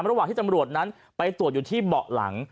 ระหว่างที่ตำรวจนั้นไปตรวจอยู่ที่เบาะหลัง